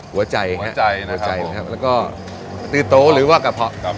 หัวใจหัวใจนะครับแล้วก็ตื้อโตหรือว่ากระเพาะ